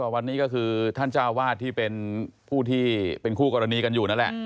วัดนี้ก็คือท่านเจ้าอาวาสที่เป็นคู่กรณีกันอยู่นั่นแหละ